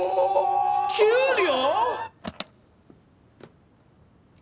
給料！？